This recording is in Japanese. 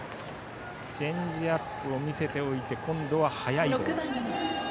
チェンジアップを見せておいて今度は速いボール。